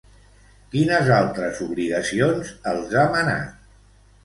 Quines altres obligacions els ha manat?